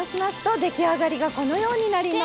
出来上がりがこのようになります。